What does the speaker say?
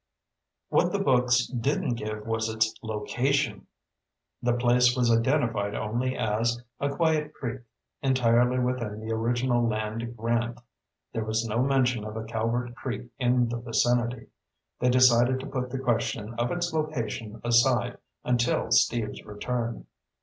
What the books didn't give was its location. The place was identified only as "a quiet creek, entirely within the original land grant." There was no mention of a Calvert Creek in the vicinity. They decided to put the question of its location aside until Steve's return.